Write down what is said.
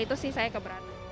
itu sih saya keberatan